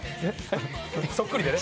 そっくりでね。